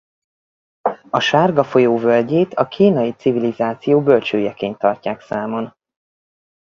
A Sárga-folyó völgyét a kínai civilizáció bölcsőjeként tartják számon.